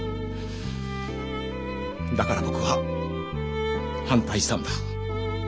だから僕は反対したんだ。